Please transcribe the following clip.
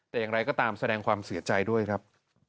แต่อย่างไรก็ตามแสดงความเสียใจด้วยครับ